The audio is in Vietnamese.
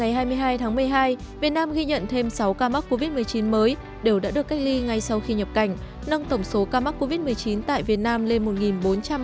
tính đến một mươi tám h ngày hai mươi hai tháng một mươi hai việt nam ghi nhận thêm sáu ca mắc covid một mươi chín mới đều đã được cách ly ngay sau khi nhập cảnh nâng tổng số ca mắc covid một mươi chín tại việt nam lên một bốn trăm hai mươi ca